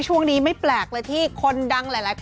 ช่วงนี้ไม่แปลกเลยที่ไม่กล้ากายฯที่หรอก